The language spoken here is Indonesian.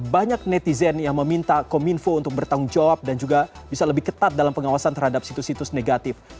banyak netizen yang meminta kominfo untuk bertanggung jawab dan juga bisa lebih ketat dalam pengawasan terhadap situs situs negatif